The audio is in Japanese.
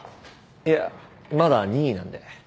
いやまだ任意なんで。